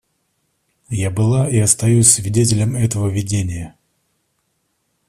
Я была и остаюсь свидетелем этого видения.